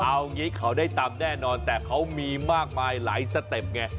เอางี้เขาได้ตามแน่นอนแต่เขามีมากมายหลายสเต็ปไง